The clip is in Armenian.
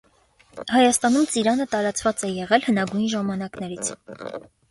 Հայաստանում ծիրանը տարածված է եղել հնագույն ժամանակներից։